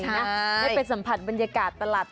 ได้ไปสัมผัสบรรยากาศตลาด